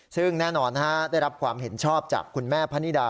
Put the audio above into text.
ซึ่งแน่นอนได้รับความเห็นชอบจากคุณแม่พะนิดา